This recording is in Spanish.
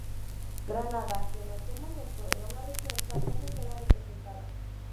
Granada, que en aquel momento era una región, tampoco queda representada.